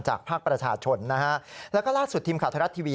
ภาคประชาชนนะฮะแล้วก็ล่าสุดทีมข่าวไทยรัฐทีวี